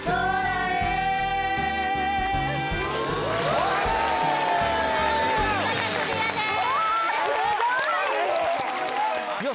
お見事クリアです・